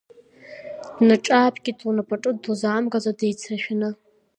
Днаҿаапкит, унапаҿы дузаамгаӡо, деицрашәаны.